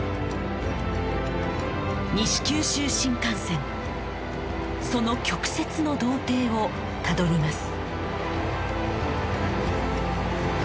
西九州新幹線その曲折の道程をたどります